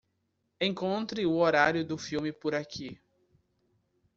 Encontre o horário do filme por aqui.